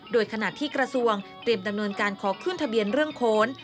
โดยขณะที่กระทรวงเตรียมดำเนินการขอขึ้นทะเบียนเรื่องโขน